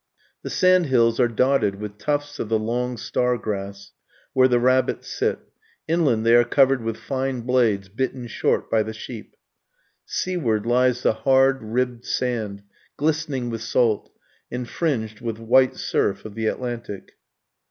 The sand hills are dotted with tufts of the long star grass, where the rabbits sit; inland they are covered with fine blades bitten short by the sheep. Seaward lies the hard ribbed sand, glistening with salt, and fringed with the white surf of the Atlantic.